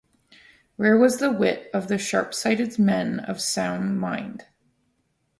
Where was the wit of the sharp-sighted men of sound mind?